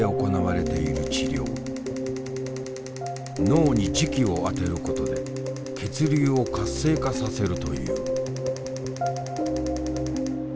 脳に磁気を当てることで血流を活性化させるという。